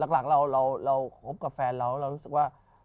หลังเราคบกับแฟนเราเรารู้สึกว่า